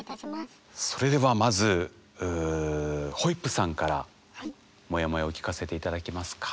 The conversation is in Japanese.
それではまずホイップさんからモヤモヤを聞かせて頂けますか。